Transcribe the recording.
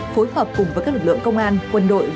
phối hợp cùng với các lực lượng công an quân đội